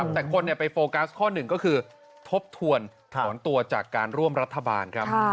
แต่คนไปโฟกัสข้อหนึ่งก็คือทบทวนถอนตัวจากการร่วมรัฐบาลครับ